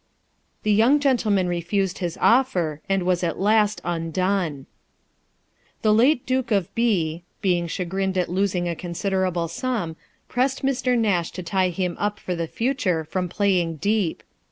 The young gentleman refused his offer, and was at last undone ! The late Duke of B. 1 being chagrined at losing a considerable sum, pressed Mr. Nash to tie him up for the future from playing deep.